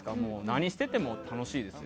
何をしてても楽しいです。